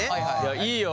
いいよ！